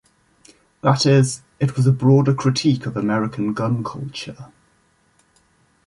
That is, it was a broader critique of American gun culture.